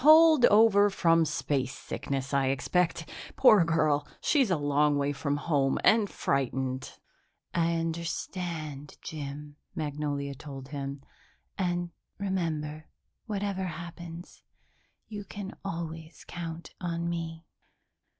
Holdover from spacesickness, I expect. Poor girl, she's a long way from home and frightened." "I understand, Jim," Magnolia told him, "and, remember, whatever happens, you can always count on me."